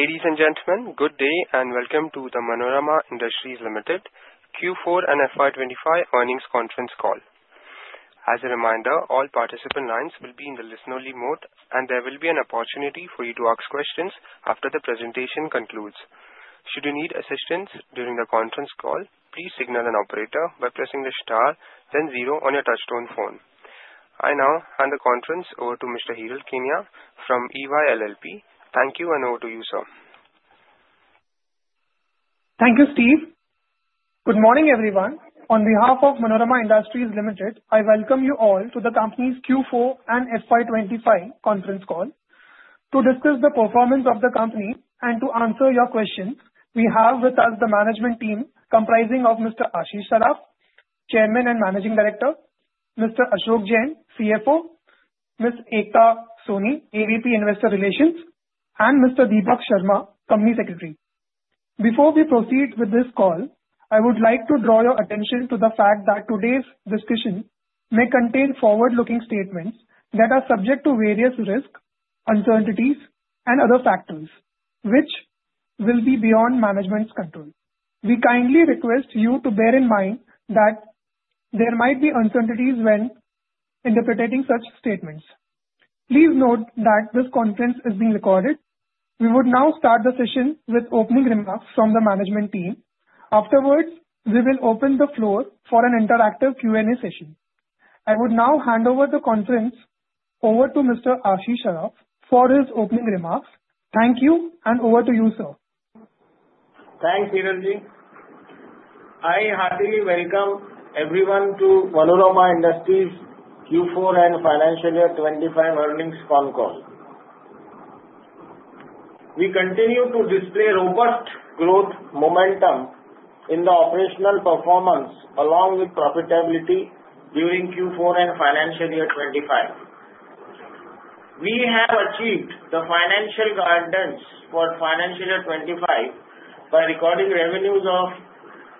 Ladies and gentlemen, good day and welcome to the Manorama Industries Limited Q4 and FY 2025 earnings conference call. As a reminder, all participant lines will be in the listen-only mode, and there will be an opportunity for you to ask questions after the presentation concludes. Should you need assistance during the conference call, please signal an operator by pressing the star then zero on your touchtone phone. I now hand the conference over to Mr. Hiral Keniya from EY LLP. Thank you, and over to you, sir. Thank you, Steve. Good morning, everyone. On behalf of Manorama Industries Limited, I welcome you all to the company's Q4 and FY 2025 conference call. To discuss the performance of the company and to answer your questions, we have with us the management team comprising Mr. Ashish Saraf, Chairman and Managing Director, Mr. Ashok Jain, CFO, Ms. Ekta Soni, AVP Investor Relations, and Mr. Deepak Sharma, Company Secretary. Before we proceed with this call, I would like to draw your attention to the fact that today's discussion may contain forward-looking statements that are subject to various risks, uncertainties, and other factors, which will be beyond management's control. We kindly request you to bear in mind that there might be uncertainties when interpreting such statements. Please note that this conference is being recorded. We would now start the session with opening remarks from the management team. Afterwards, we will open the floor for an interactive Q&A session. I would now hand over the conference to Mr. Ashish Saraf for his opening remarks. Thank you, and over to you, sir. Thanks, Hiral. I heartily welcome everyone to Manorama Industries' Q4 and financial year 2025 earnings con call. We continue to display robust growth momentum in the operational performance along with profitability during Q4 and financial year 2025. We have achieved the financial guidance for financial year 2025 by recording revenues of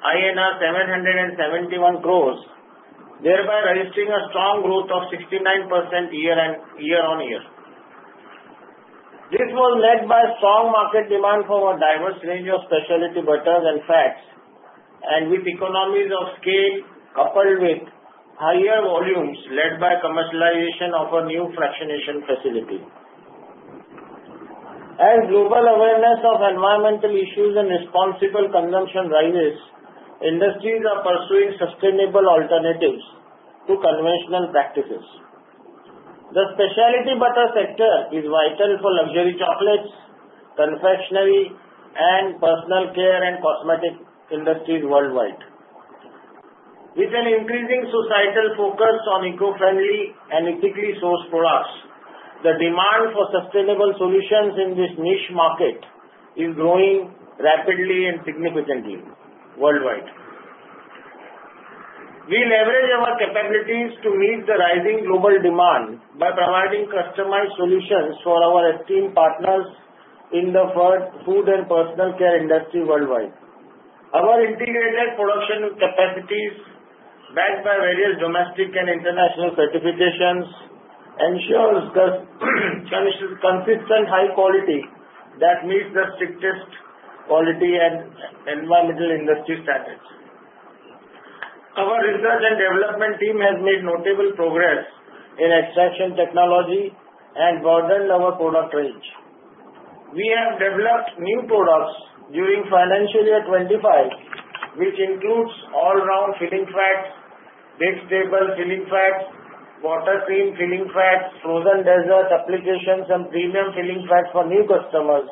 INR 771 crores, thereby registering a strong growth of 69% year-over-year. This was led by strong market demand for our diverse range of specialty butters and fats, and with economies of scale coupled with higher volumes led by commercialization of our new fractionation facility. As global awareness of environmental issues and responsible consumption rises, industries are pursuing sustainable alternatives to conventional practices. The specialty butter sector is vital for luxury chocolates, confectionery, and personal care and cosmetic industries worldwide. With an increasing societal focus on eco-friendly and ethically sourced products, the demand for sustainable solutions in this niche market is growing rapidly and significantly worldwide. We leverage our capabilities to meet the rising global demand by providing customized solutions for our esteemed partners in the food and personal care industry worldwide. Our integrated production capacities, backed by various domestic and international certifications, ensure consistent high quality that meets the strictest quality and environmental industry standards. Our research and development team has made notable progress in extraction technology and broadened our product range. We have developed new products during financial year 2025, which includes all-round filling fats, bake stable filling fats, wafer cream filling fats, frozen dessert applications, and premium filling fats for new customers,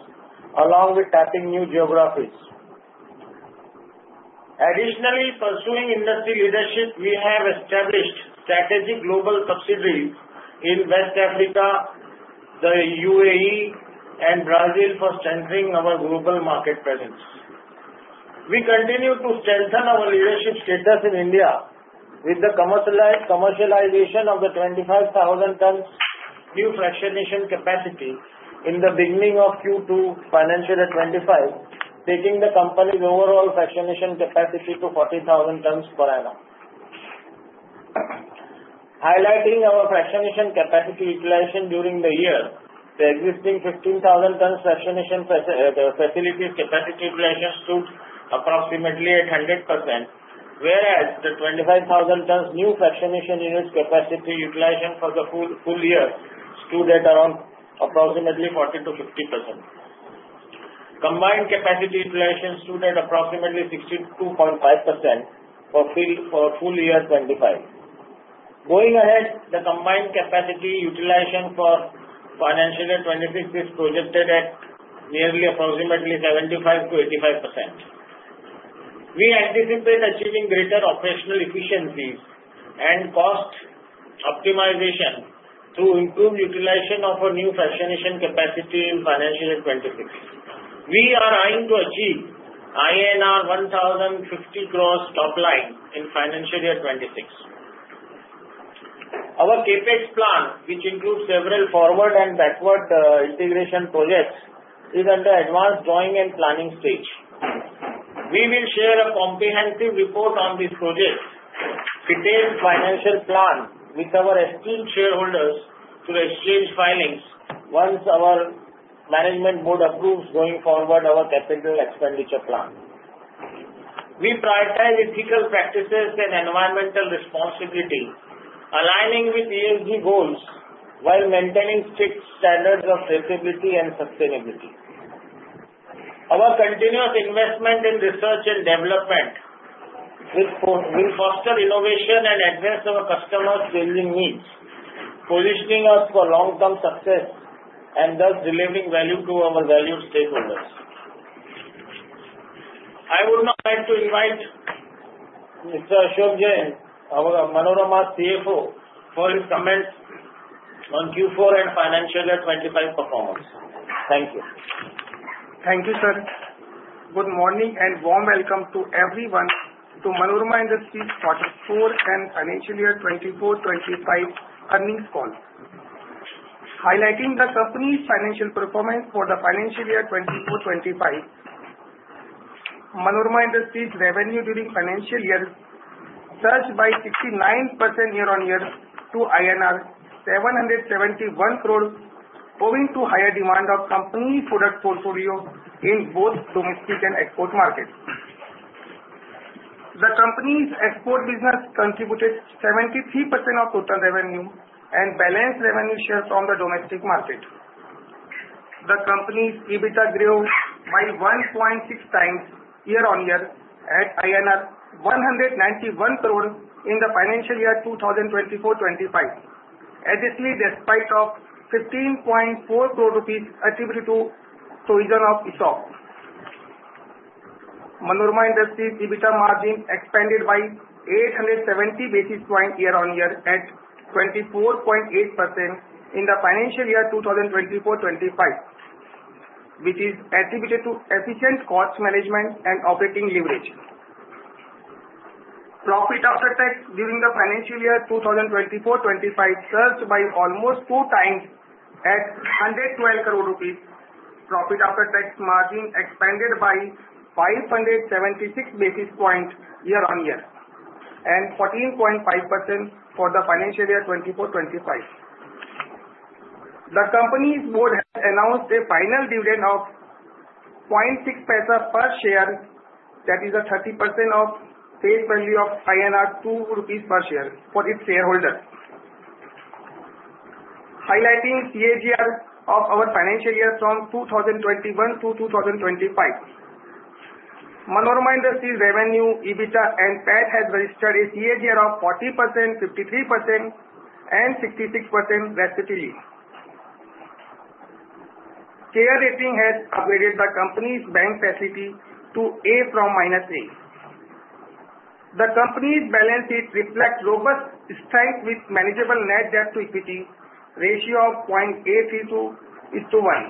along with tapping new geographies. Additionally, pursuing industry leadership, we have established strategic global subsidiaries in West Africa, the UAE, and Brazil for centering our global market presence. We continue to strengthen our leadership status in India with the commercialization of the 25,000-ton new fractionation capacity in the beginning of Q2 financial year 2025, taking the company's overall fractionation capacity to 40,000 tons per annum. Highlighting our fractionation capacity utilization during the year, the existing 15,000-ton fractionation facility's capacity utilization stood approximately at 100%, whereas the 25,000-ton new fractionation unit capacity utilization for the full year stood at around approximately 40%-50%. Combined capacity utilization stood at approximately 62.5% for full year 2025. Going ahead, the combined capacity utilization for financial year 2026 is projected at nearly approximately 75%-85%. We anticipate achieving greater operational efficiencies and cost optimization through improved utilization of our new fractionation capacity in financial year 2026. We are eyeing to achieve INR 1,050 crores top line in financial year 2026. Our CapEx plan, which includes several forward and backward integration projects, is under advanced drawing and planning stage. We will share a comprehensive report on this project, detailed financial plan with our esteemed shareholders through exchange filings once our management board approves going forward our capital expenditure plan. We prioritize ethical practices and environmental responsibility, aligning with ESG goals while maintaining strict standards of traceability and sustainability. Our continuous investment in research and development will foster innovation and address our customers' changing needs, positioning us for long-term success and thus delivering value to our valued stakeholders. I would now like to invite Mr. Ashok Jain, our Manorama CFO, for his comments on Q4 and financial year 2025 performance. Thank you. Thank you, sir. Good morning and warm welcome to everyone to Manorama Industries' quarter four and financial year 2024-2025 earnings call. Highlighting the company's financial performance for the financial year 2024-2025, Manorama Industries' revenue during financial year surged by 69% year-on-year to INR 771 crore owing to higher demand of the company's product portfolio in both domestic and export markets. The company's export business contributed 73% of total revenue and balance revenue shares from the domestic market. The company's EBITDA grew by 1.6x year-on-year at INR 191 crore in the financial year 2024-2025. Additionally, despite 15.4 crore rupees attributable to provision for ESOP, Manorama Industries' EBITDA margin expanded by 870 basis points year-on-year at 24.8% in the financial year 2024-2025, which is attributable to efficient cost management and operating leverage. Profit after tax during the financial year 2024-2025 surged by almost 2x at 112 crore rupees. Profit after tax margin expanded by 576 basis points year-on-year and 14.5% for the financial year 2024-2025. The company's board has announced a final dividend of 0.006 per share that is 30% of face value of 2 rupees per share for its shareholder. Highlighting CAGR of our financial year from 2021 to 2025. Manorama Industries' revenue, EBITDA and PAT has registered a CAGR of 40%, 53%, and 66% respectively. CARE Ratings has upgraded the company's bank facility to A from -A. The company's balance sheet reflects robust strength with manageable net debt to equity ratio of 0.82:1.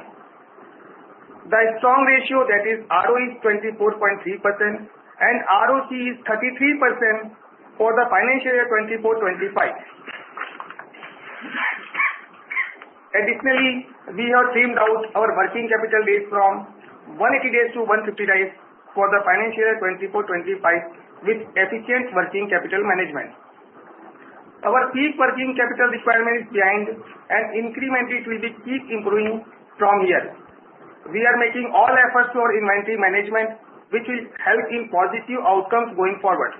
The strong ratio that is ROE is 24.3% and ROC is 33% for the financial year 2024-2025. Additionally, we have trimmed down our working capital days from 180 days to 150 days for the financial year 2024-2025 with efficient working capital management. Our peak working capital requirement is behind and incrementally it will keep improving from here. We are making all efforts for inventory management which will help in positive outcomes going forward.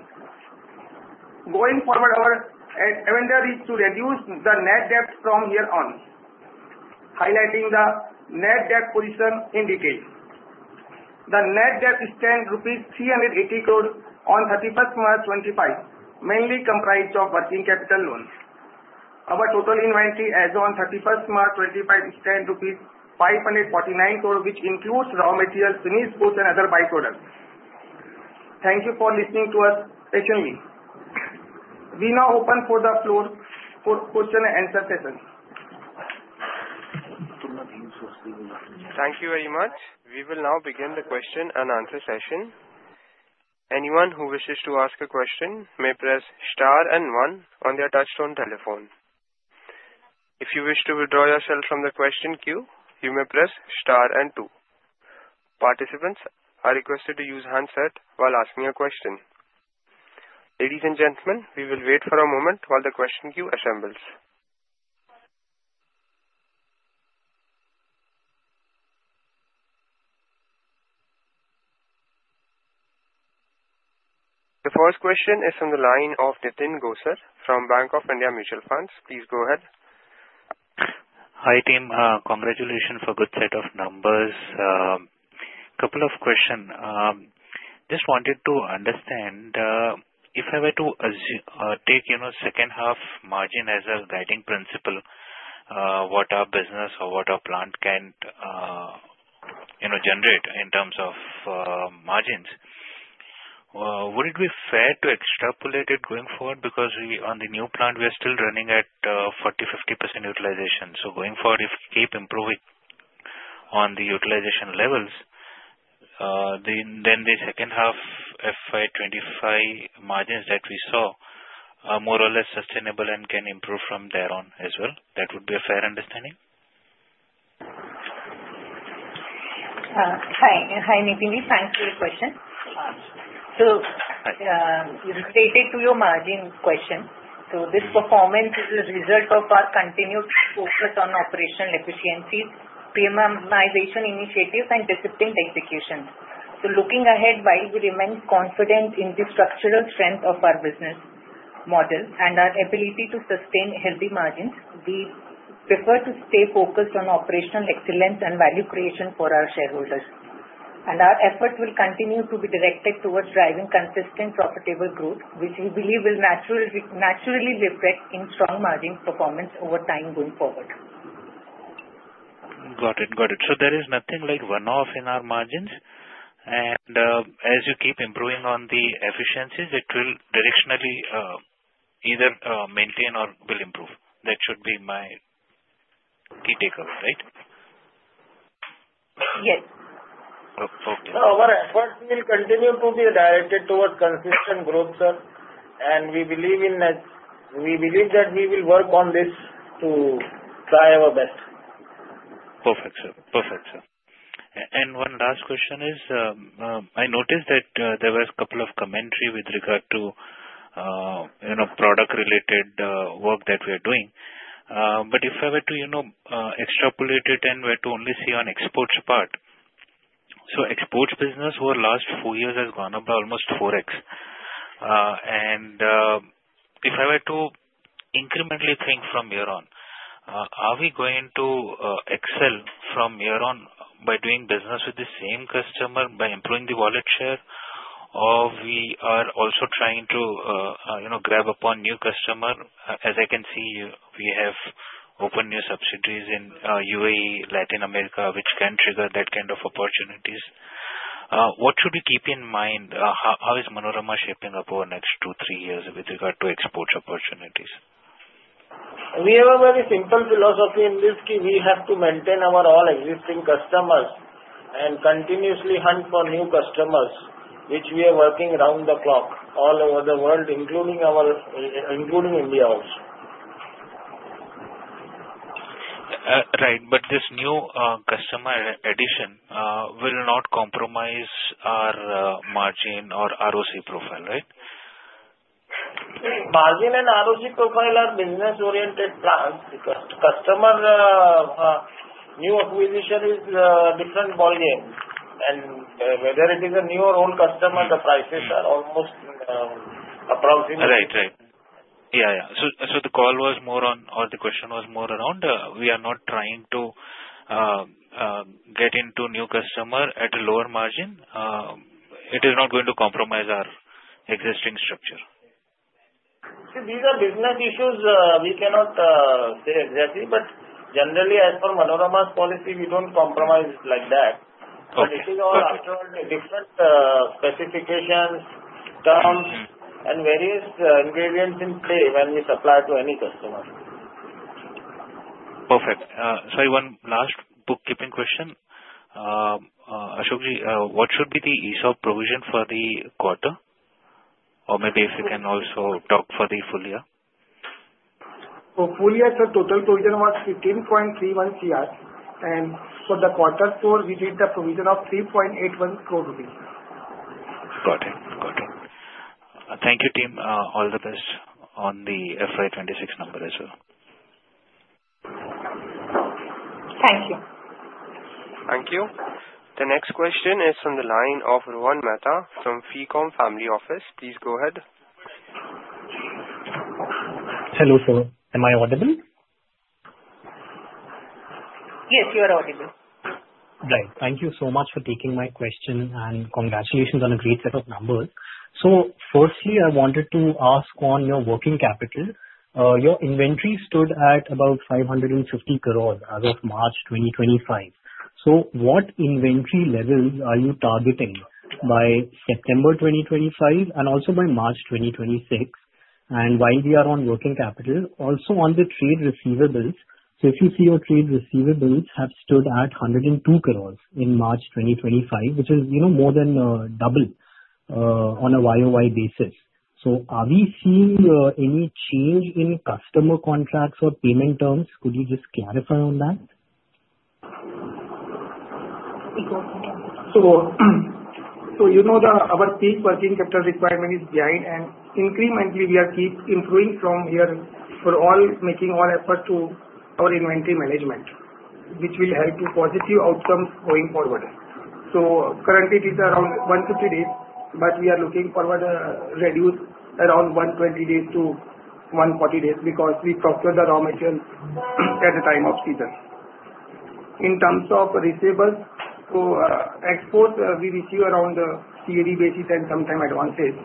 Going forward, our agenda is to reduce the net debt from here on. Highlighting the net debt position in detail. The net debt stands rupees 380 crore on 31st March 2025, mainly comprised of working capital loans. Our total inventory as on 31st March 2025, stands INR 549 crore, which includes raw materials, finished goods and other by-products. Thank you for listening to us patiently. We now open the floor for question and answer session. Thank you very much. We will now begin the question and answer session. Anyone who wishes to ask a question may press star and one on their touchtone telephone. If you wish to withdraw yourself from the question queue, you may press star and two. Participants are requested to use handset while asking a question. Ladies and gentlemen, we will wait for a moment while the question queue assembles. The first question is from the line of Nitin Gosar from Bank of India Mutual Fund. Please go ahead. Hi, team. Congratulations for good set of numbers. A couple of questions. Just wanted to understand, if I were to take second half margin as a guiding principle, what our business or what our plant can generate in terms of margins, would it be fair to extrapolate it going forward? Because on the new plant, we are still running at 40%-50% utilization. Going forward, if we keep improving on the utilization levels, then the second half FY 2025 margins that we saw are more or less sustainable and can improve from there on as well. That would be a fair understanding? Hi, Nitin. Thanks for your question. Related to your margin question. This performance is a result of our continued focus on operational efficiencies, premiumization initiatives, and disciplined execution. Looking ahead, while we remain confident in the structural strength of our business model and our ability to sustain healthy margins, we prefer to stay focused on operational excellence and value creation for our shareholders. Our efforts will continue to be directed towards driving consistent profitable growth, which we believe will naturally reflect in strong margin performance over time going forward. Got it. There is nothing like one-off in our margins, and as you keep improving on the efficiencies, it will directionally either maintain or will improve. That should be my key takeout, right? Yes. Okay. Our efforts will continue to be directed towards consistent growth, sir, and we believe that we will work on this to try our best. Perfect, sir. One last question is, I noticed that there was a couple of commentary with regard to product-related work that we are doing, if I were to extrapolate it and were to only see on exports part. Exports business over last four years has gone up by almost 4x. If I were to incrementally think from here on, are we going to excel from here on by doing business with the same customer, by improving the wallet share? We are also trying to grab upon new customer, as I can see, we have opened new subsidiaries in UAE, Latin America, which can trigger that kind of opportunities. What should we keep in mind? How is Manorama shaping up over the next two, three years with regard to export opportunities? We have a very simple philosophy in this. We have to maintain our all existing customers and continuously hunt for new customers, which we are working around the clock all over the world, including India also. Right. This new customer addition will not compromise our margin or ROC profile, right? Margin and ROC profile are business-oriented plans. Because customer new acquisition is a different ball game, whether it is a new or old customer, the prices are almost approximately- Right. The call was more on or the question was more around, we are not trying to get into new customer at a lower margin. It is not going to compromise our existing structure. See, these are business issues. We cannot say exactly, but generally as per Manorama's policy, we don't compromise like that. Okay. This is all after all the different specifications, terms, and various ingredients in play when we supply to any customer. Perfect. Sorry, one last bookkeeping question. Ashok, what should be the ESOP provision for the quarter? Or maybe if you can also talk for the full year. For full year, sir, total provision was 15.31 crore. For the quarter four, we did the provision of 3.81 crore rupees. Got it. Thank you, team. All the best on the FY 2026 number as well. Thank you. Thank you. The next question is from the line of Rohan Mehta from Ficom Family Office. Please go ahead. Hello, sir. Am I audible? Yes, you are audible. Right. Thank you so much for taking my question, and congratulations on a great set of numbers. Firstly, I wanted to ask on your working capital. Your inventory stood at about 550 crore as of March 2025. What inventory levels are you targeting by September 2025 and also by March 2026? While we are on working capital, also on the trade receivables. If you see your trade receivables have stood at 102 crore in March 2025, which is more than double on a YoY basis. Are we seeing any change in customer contracts or payment terms? Could you just clarify on that? You go. You know that our peak working capital requirement is behind, and incrementally we keep improving from here, we're all making efforts in our inventory management, which will help in positive outcomes going forward. Currently it is around 150 days, but we are looking forward to reduce around 120-140 days because we procure the raw material at the time of season. In terms of receivables, for exports, we receive around COD basis and sometimes advances.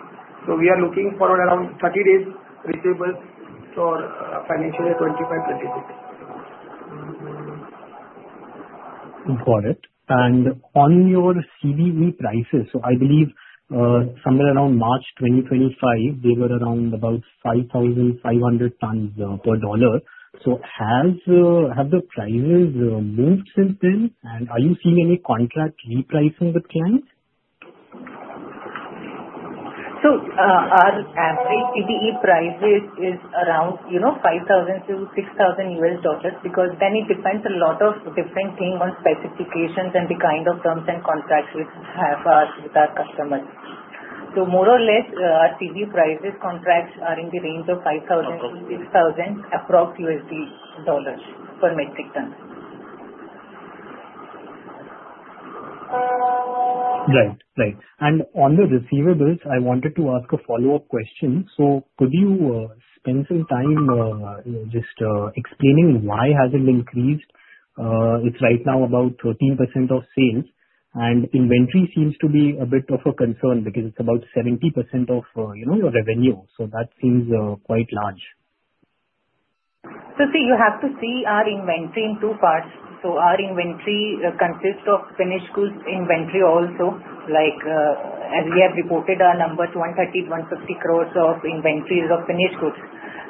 We are looking for around 30 days receivables for financial year 2025-2026. Got it. On your CBE prices, so I believe, somewhere around March 2025, they were around about $5,500 per ton. Have the prices moved since then? Are you seeing any contract repricing with clients? Our average CBE price is around $5,000-$6,000, because then it depends a lot on specifications and the kind of terms and contracts we have with our customers. More or less, our CBE prices contracts are in the range of $5,000-$6,000 approx per metric ton. Right. On the receivables, I wanted to ask a follow-up question. Could you spend some time just explaining why has it increased? It's right now about 13% of sales, and inventory seems to be a bit of a concern because it's about 70% of your revenue, so that seems quite large. You have to see our inventory in two parts. Our inventory consists of finished goods inventory, also like as we have reported our number 130 crores-150 crores of inventories of finished goods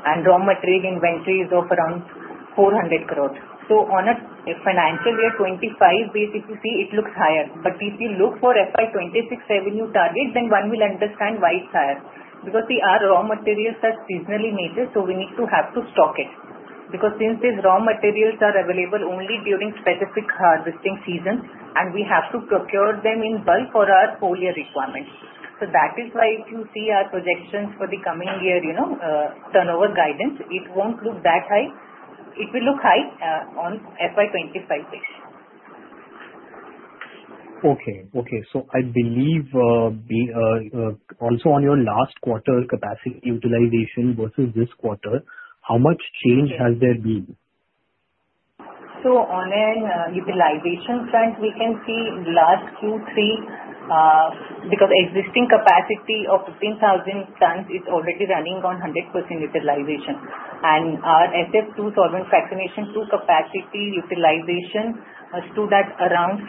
and raw material inventory is of around 400 crores. On a financial year 2025 basis, you see it looks higher. If you look for FY 2026 revenue targets, then one will understand why it's higher. Because our raw materials are seasonally needed, so we need to have to stock it. Because since these raw materials are available only during specific harvesting seasons, and we have to procure them in bulk for our whole year requirements. That is why if you see our projections for the coming year, turnover guidance, it won't look that high. It will look high on FY 2025. Okay. I believe, also on your last quarter capacity utilization versus this quarter, how much change has there been? On a utilization front, we can see last Q3, because existing capacity of 15,000 tons is already running on 100% utilization. Our SF2 fractionation two capacity utilization stood at around 60%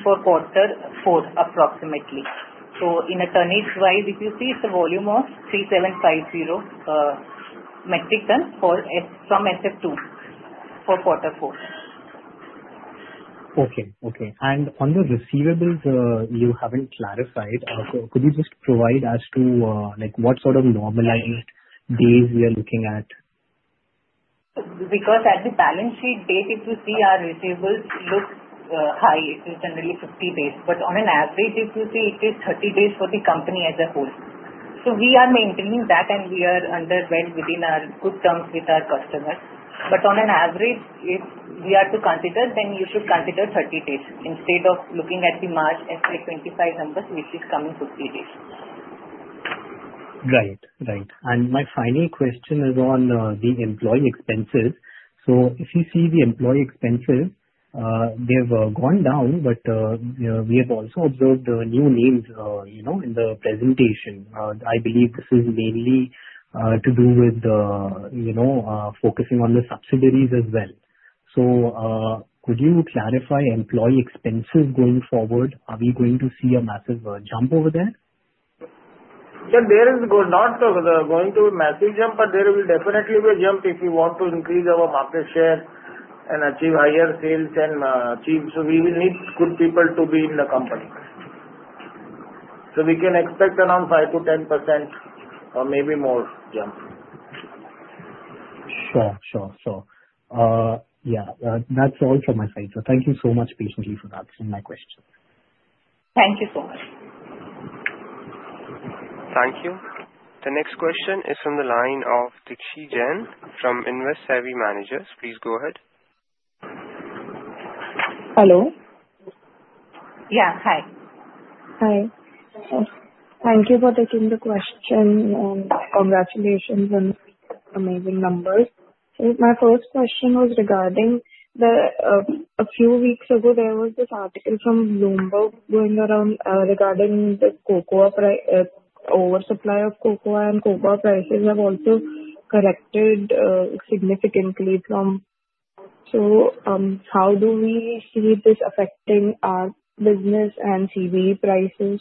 for quarter four, approximately. In a tonnage-wise, if you see it's a volume of 3,750 metric tons from SF2 for quarter four. Okay. On the receivables, you haven't clarified. Could you just provide as to what sort of normalized days we are looking at? At the balance sheet date, if you see our receivables look high, it is generally 50 days, but on an average, if you see it is 30 days for the company as a whole. We are maintaining that, and we are well within our good terms with our customers. On an average, if we are to consider, then you should consider 30 days instead of looking at the March FY 2025 numbers, which is coming 50 days. Right. My final question is on the employee expenses. If you see the employee expenses, they have gone down, but we have also observed new names in the presentation. I believe this is mainly to do with focusing on the subsidiaries as well. Could you clarify employee expenses going forward? Are we going to see a massive jump over there? Sir, there is not going to massive jump, but there will definitely be a jump if you want to increase our market share and achieve higher sales. We will need good people to be in the company. We can expect around 5%-10% or maybe more jump. Sure. Yeah. That's all from my side, sir. Thank you so much patiently for answering my questions. Thank you so much. Thank you. The next question is from the line of Dikshit Jain from InvestSavvy Managers. Please go ahead. Hello. Yeah. Hi. Hi. Thank you for taking the question and congratulations on the amazing numbers. My first question was regarding a few weeks ago there was this article from Bloomberg going around regarding the oversupply of cocoa, and cocoa prices have also corrected significantly. How do we see this affecting our business and CBE prices?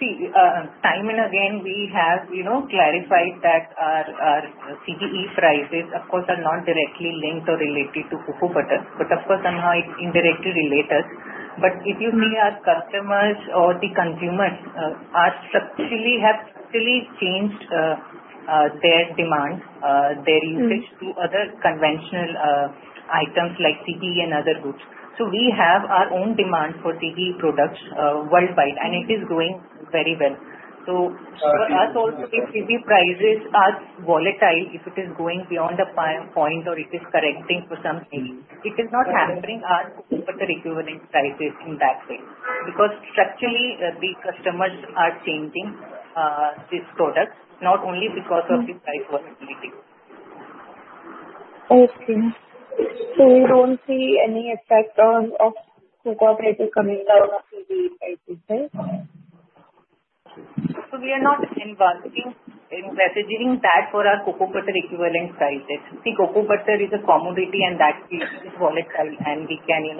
See, time and again, we have clarified that our CBE prices, of course, are not directly linked or related to cocoa butter, but of course, somehow it's indirectly related. If you see our customers or the consumers have structurally changed their demand, their usage to other conventional items like CBE and other goods. We have our own demand for CBE products worldwide, and it is doing very well. For us also, if CBE prices are volatile, if it is going beyond the point or it is correcting for some things, it is not hampering our cocoa butter equivalent prices in that way. Because structurally, the customers are changing these products, not only because of the price volatility. Okay. You don't see any effect of cocoa prices coming down on CBE prices then? We are not embarking and budgeting that for our cocoa butter equivalent prices. See, cocoa butter is a commodity and that is volatile and we can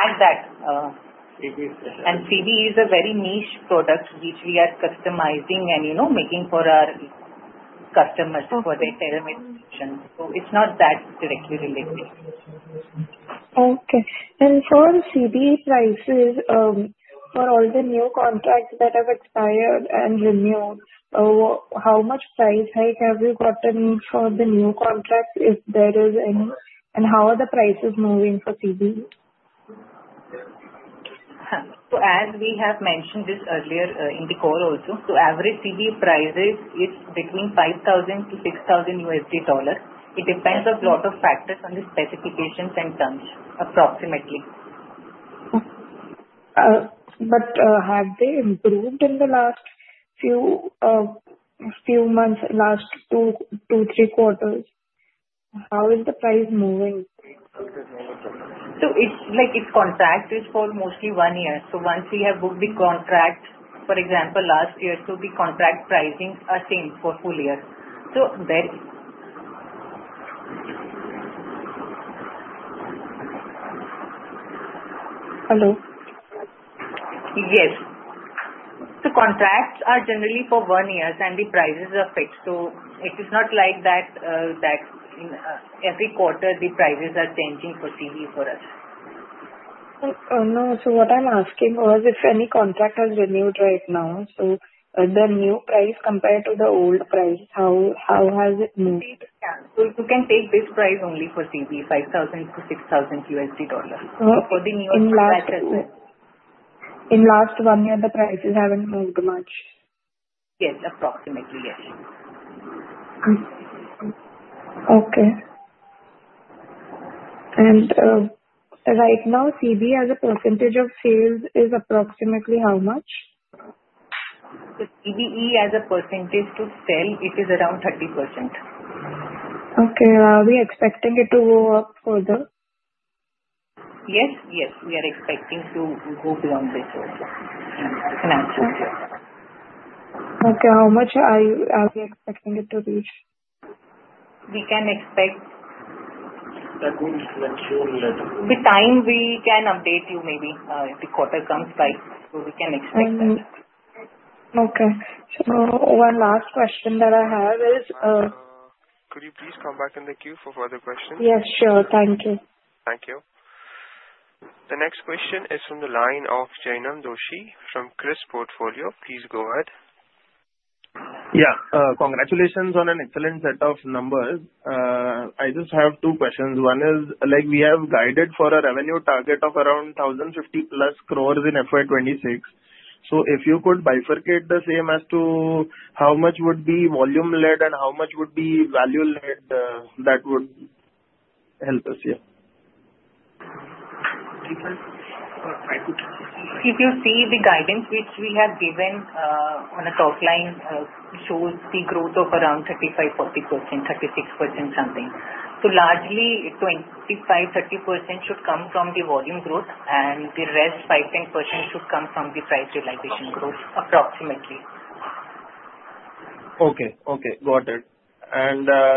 add that. CBE is a very niche product which we are customizing and making for our customers for their tailor-made needs. It's not that directly related. Okay. For CBE prices, for all the new contracts that have expired and renewed, how much price hike have you gotten for the new contracts, if there is any? How are the prices moving for CBE? As we have mentioned this earlier in the call also, so average CBE prices, it's between $5,000-$6,000. It depends on a lot of factors on the specifications and tons, approximately. Have they improved in the last few months, last two, three quarters? How is the price moving? Its contract is for mostly one year. Once we have booked the contract, for example, last year, so the contract pricing are same for full year. There- Hello? Yes. Contracts are generally for one year, and the prices are fixed, so it is not like that every quarter the prices are changing for CBE for us. No. What I'm asking was if any contract has renewed right now, so the new price compared to the old price, how has it moved? You can take base price only for CBE, $5,000-$6,000. In the last one year, the prices haven't moved much? Yes. Approximately, yes. Okay. Right now, CBE, as a percentage of sales, is approximately how much? CBE, as a percentage of sales, it is around 30%. Okay. Are we expecting it to go up further? Yes, we are expecting to go beyond this also. I can answer it here. Okay. How much are you expecting it to reach? We can expect. That will reflect soon. With time, we can update you maybe, if the quarter comes by. We can expect that. Okay. One last question that I have is, Could you please come back in the queue for further questions? Yes, sure. Thank you. Thank you. The next question is from the line of Jainam Doshi from Chris Portfolio. Please go ahead. Yeah. Congratulations on an excellent set of numbers. I just have two questions. One is, we have guided for a revenue target of around 1,050+ crores in FY 2026. If you could bifurcate the same as to how much would be volume-led and how much would be value-led, that would help us. Yeah. If you see the guidance which we have given on a top line, shows the growth of around 35%-40%, 36% something. Largely, 25%-30% should come from the volume growth and the rest, 5%-10% should come from the price realization growth, approximately. Okay. Got it.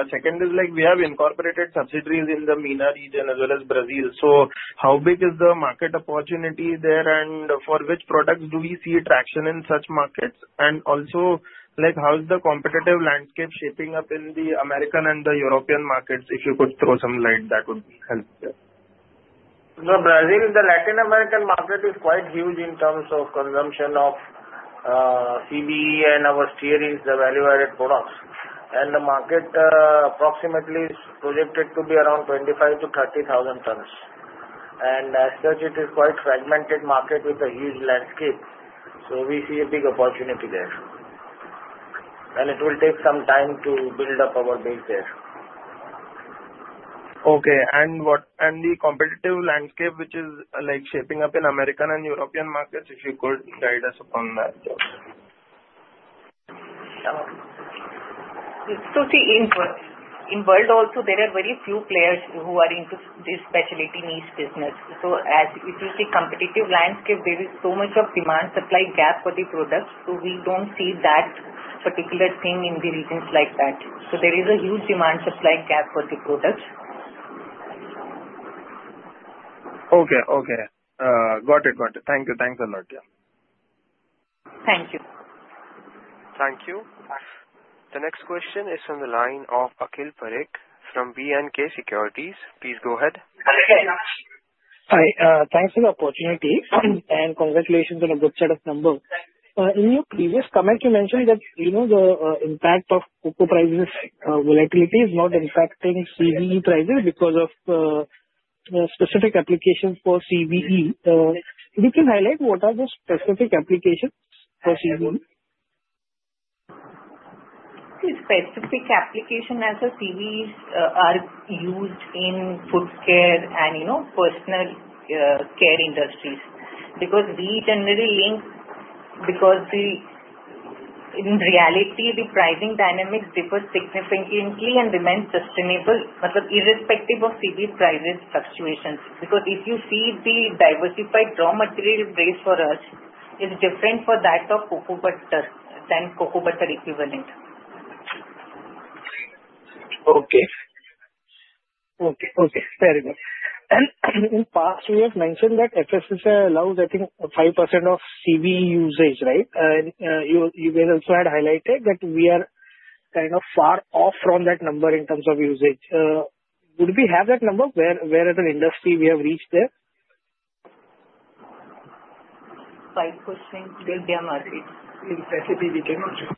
Second is, we have incorporated subsidiaries in the MENA region as well as Brazil. How big is the market opportunity there, and for which products do we see traction in such markets? Also, how is the competitive landscape shaping up in the American and the European markets? If you could throw some light, that would be helpful. Brazil, the Latin American market is quite huge in terms of consumption of CBE and other value-added products. The market approximately is projected to be around 25,000 tons-30,000 tons. As such, it is quite fragmented market with a huge landscape. We see a big opportunity there. It will take some time to build up our base there. Okay. The competitive landscape which is shaping up in American and European markets, if you could guide us upon that? See, in the world also, there are very few players who are into this specialty niche business. As you see the competitive landscape, there is so much of a demand-supply gap for the products, so we don't see that particular thing in the regions like that. There is a huge demand-supply gap for the products. Okay. Got it. Thank you. Thanks a lot. Yeah. Thank you. Thank you. The next question is from the line of Akhil Parekh from B&K Securities. Please go ahead. Hi. Thanks for the opportunity, and congratulations on a good set of numbers. In your previous comment, you mentioned that the impact of cocoa price volatility is not impacting CBE prices because of specific applications for CBE. If you can highlight what are the specific applications for CBE? The specific applications of CBEs are used in food care and personal care industries. Because in reality, the pricing dynamics differ significantly and remain sustainable, but are irrespective of CBE price fluctuations. Because if you see the diversified raw material base for us is different from that of cocoa butter and cocoa butter equivalent. Okay. Very good. In the past you have mentioned that FSSAI allows, I think 5% of CBE usage, right? You guys also had highlighted that we are kind of far off from that number in terms of usage. Would we have that number, whereas as an industry we have reached there? 5% still we are not reached. In recipe we cannot reach.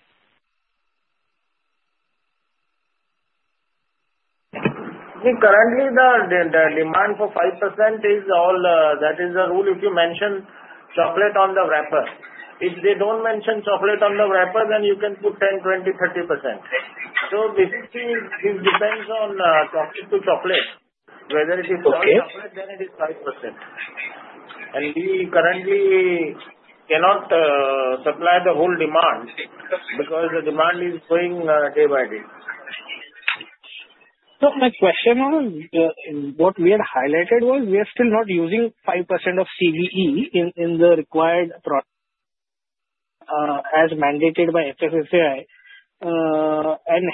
See, currently the demand for 5%, that is the rule if you mention chocolate on the wrapper. If they don't mention chocolate on the wrapper, then you can put 10%, 20%, 30%. Basically, it depends on chocolate to chocolate. Okay. Whether it is plain chocolate, then it is 5%. We currently cannot supply the whole demand because the demand is growing day by day. My question on what we had highlighted was, we are still not using 5% of CBE in the required as mandated by FSSAI.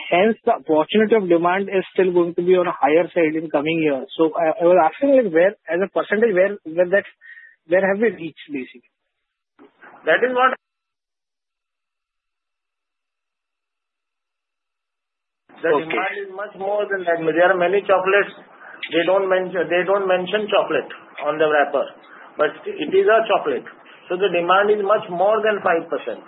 Hence the opportunity of demand is still going to be on a higher side in coming years. I was asking like as a percentage, where have we reached basically? The demand is much more than that. There are many chocolates, they don't mention chocolate on the wrapper, but it is a chocolate. The demand is much more than 5%.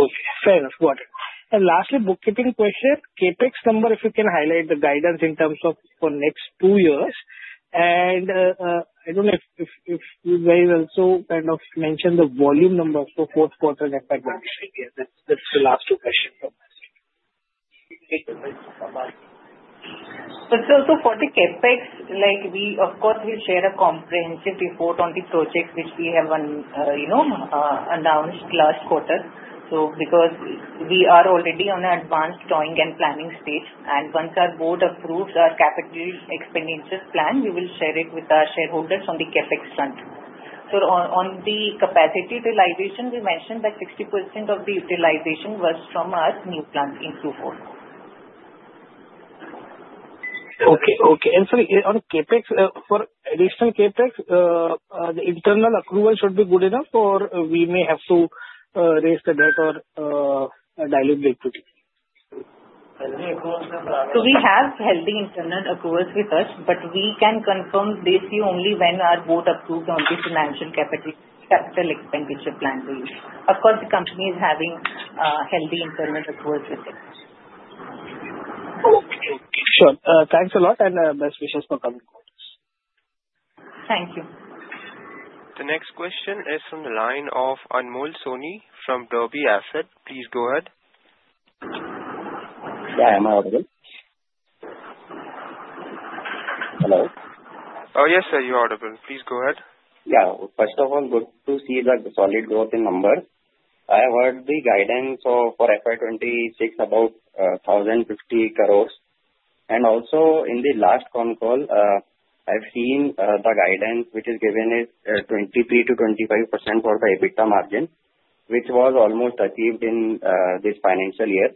Okay, fair. Got it. Lastly, bookkeeping question, CapEx number, if you can highlight the guidance in terms of for next two years and, I don't know if you guys also kind of mention the volume number of the fourth quarter FY 2026. That's the last two question from my side. For the CapEx, of course we'll share a comprehensive report on the project which we have announced last quarter. Because we are already on an advanced drawing and planning stage, and once our board approves our capital expenditures plan, we will share it with our shareholders on the CapEx front. On the capacity utilization, we mentioned that 60% of the utilization was from our new plant in [ Raipur]. Okay. Sorry on CapEx, for additional CapEx, the internal accrual should be good enough or we may have to raise the debt or dilute the equity. Healthy accruals are there. We have healthy internal accruals with us, but we can confirm basically only when our board approves on the financial capital expenditure plan release. Of course, the company is having healthy internal accruals with us. Okay, sure. Thanks a lot and best wishes for coming quarters. Thank you. The next question is from the line of Anmol Soni from Derby Asset. Please go ahead. Yeah. Am I audible? Hello. Oh, yes, sir. You're audible. Please go ahead. Yeah. First of all, good to see the solid growth in numbers. I heard the guidance for FY 2026 about 1,050 crores, and also in the last con call, I've seen the guidance which is given as 23%-25% for the EBITDA margin, which was almost achieved in this financial year.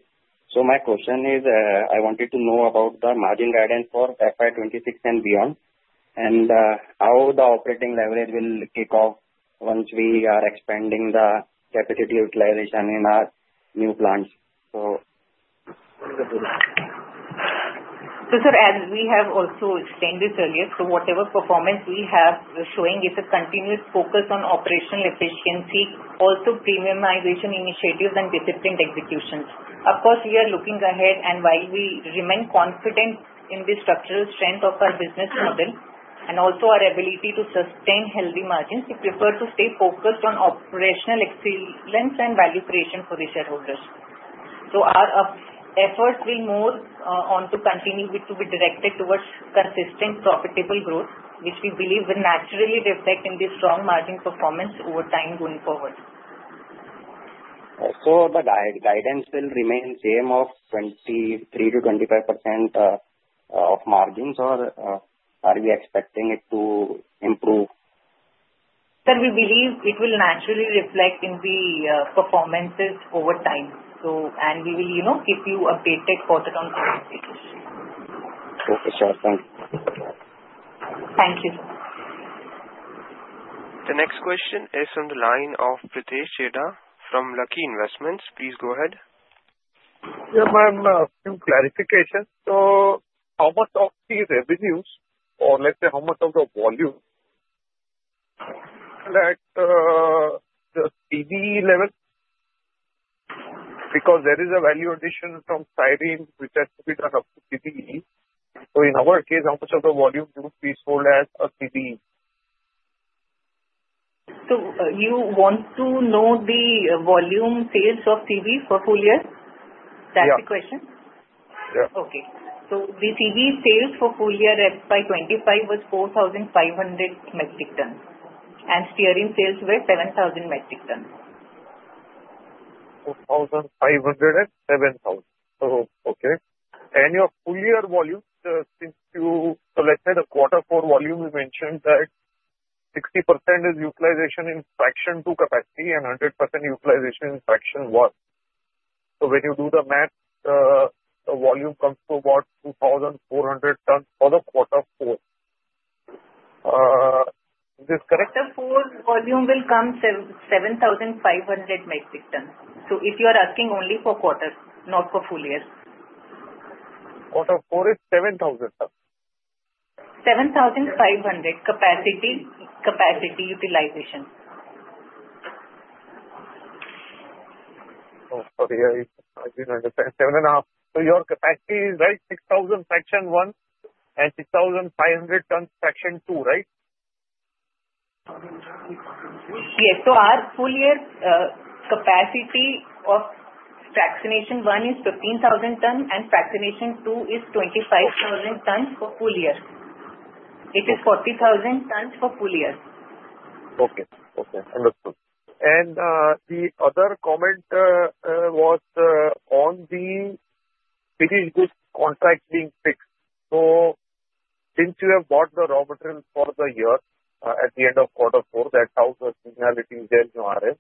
My question is, I wanted to know about the margin guidance for FY 2026 and beyond, and how the operating leverage will kick off once we are expanding the capacity utilization in our new plants. Sir, as we have also explained this earlier, so whatever performance we have showing is a continuous focus on operational efficiency, also premiumization initiatives and disciplined executions. Of course, we are looking ahead and while we remain confident in the structural strength of our business model and also our ability to sustain healthy margins, we prefer to stay focused on operational excellence and value creation for the shareholders. Our efforts will move on to continue to be directed towards consistent profitable growth, which we believe will naturally reflect in the strong margin performance over time going forward. The guidance will remain same of 23%-25% of margins, or are we expecting it to improve? Sir, we believe it will naturally reflect in the performances over time. We will give you an update quarter-on-quarter basis. Okay, sure. Thank you. Thank you. The next question is from the line of Pritesh Chheda from Lucky Investment. Please go ahead. Yeah, ma'am, a few clarifications. How much of the revenues or let's say how much of the volume at the CBE level, because there is a value addition from stearin which has to be done up to CBE. In our case, how much of the volume do we sell as a CBE? You want to know the volume sales of CBE for full year? Yeah. That's the question? Yeah. The CBE sales for full year FY 2025 was 4,500 metric tons and stearin sales were 7,000 metric tons. 4,500 and 7,000. Oh, okay. Your full year volume, since you collected a quarter four volume, you mentioned that 60% is utilization in fraction two capacity and 100% utilization in fraction one. When you do the math, the volume comes to about 2,400 tons for the quarter four. Is this correct? Quarter four volume will come 7,500 metric tons. If you are asking only for quarter, not for full year. Quarter four is 7,000 tons. 7,500 capacity utilization. Oh, sorry. I didn't understand, seven and a half. Your capacity is right 6,000 fraction one and 6,500 tons fraction two, right? Yes. Our full year capacity of fractionation one is 15,000 ton and fractionation two is 25,000 tons for full year. It is 40,000 tons for full year. Okay. Understood. The other comment was, on the finished goods contract being fixed. Since you have bought the raw material for the year, at the end of quarter four, that how the seasonality is there in your RF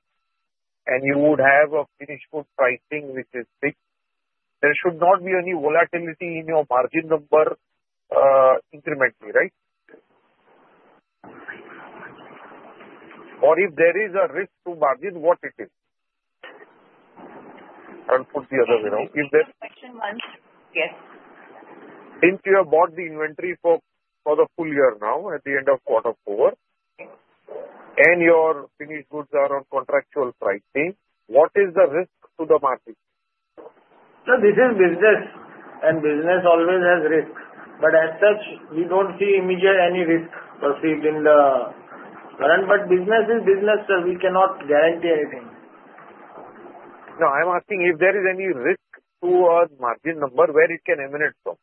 and you would have a finished goods pricing which is fixed. There should not be any volatility in your margin number, incrementally, right? If there is a risk to margin, what it is? I'll put the other way around. Can you repeat the question once? Yes. Since you have bought the inventory for the full year now, at the end of quarter four, and your finished goods are on contractual pricing, what is the risk to the margin? Sir, this is business, and business always has risk. As such, we don't see immediate any risk perceived in the current. Business is business, sir, we cannot guarantee anything. No, I'm asking if there is any risk to our margin number, where it can emanate from.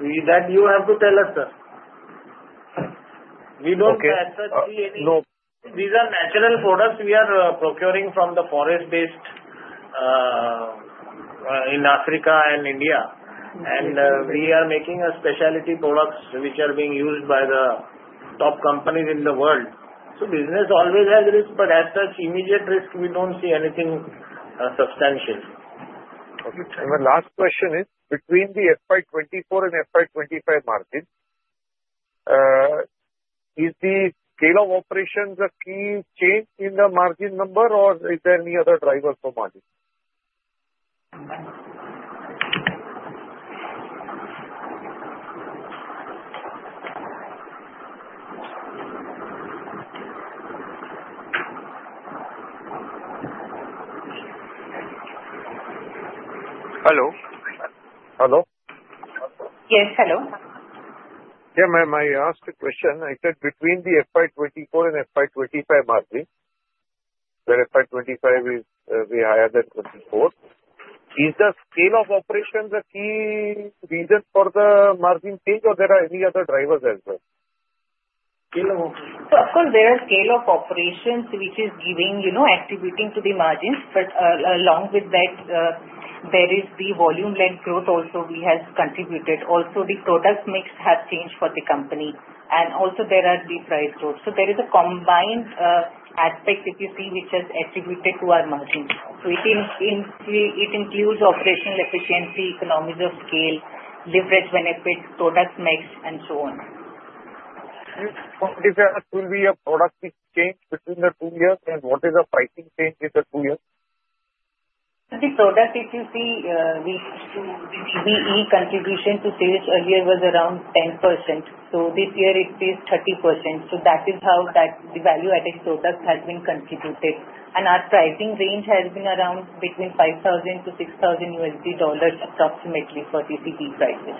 That you have to tell us, sir. We don't as such see any. No. These are natural products we are procuring from the forest-based in Africa and India. We are making a specialty products which are being used by the top companies in the world. Business always has risk, but as such, immediate risk, we don't see anything substantial. Okay. My last question is between the FY 2024 and FY 2025 margin, is the scale of operations a key change in the margin number or is there any other drivers for margin? Hello? Hello? Yes. Hello. Yeah, ma'am, I asked a question. I said between the FY 2024 and FY 2025 margin, where FY 2025 is higher than 2024. Is the scale of operations a key reason for the margin change or there are any other drivers as well? Scale of operations. Of course, there are scale of operations which is giving additivity to the margins. Along with that, there is the volume-led growth also which has contributed. Also the product mix has changed for the company and also there are the price growth. There is a combined aspect if you see, which has attributed to our margins. It includes operational efficiency, economies of scale, leverage benefits, product mix and so on. Will there be a product mix change between the two years, and what is the pricing change within the two years? The product if you see, the CBE contribution to sales a year was around 10%. This year it is 30%. That is how the value-added product has been contributed. Our pricing range has been around between $5,000-$6,000 approximately for CBE prices.